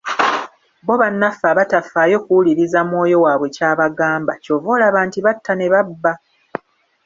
Bo bannaffe abatafaayo kuwuliriza mwoyo waabwe ky'abagamba, ky'ova olaba nti batta ne babba.